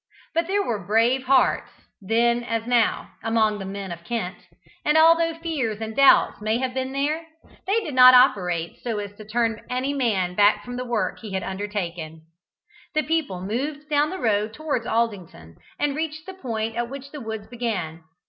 But there were brave hearts then as now among the men of Kent, and although fears and doubts may have been there, they did not operate so as to turn any man back from the work he had undertaken. The people moved down the road towards Aldington, and reached the point at which the woods began.